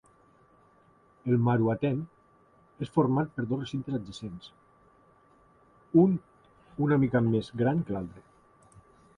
El Maru-Aten és format per dos recintes adjacents, un una mica més gran que l'altre.